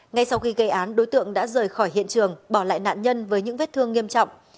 ngay sau khi gây án đối tượng đã rời khỏi hiện trường bỏ lại nạn nhân với những vết thương nghiêm trọng